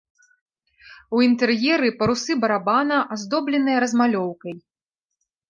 У інтэр'еры парусы барабана аздобленыя размалёўкай.